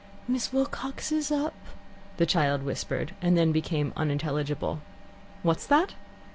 "Miss Wilcox is up " the child whispered, and then became unintelligible. "What's that?"